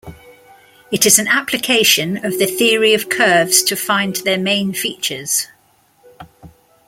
It is an application of the theory of curves to find their main features.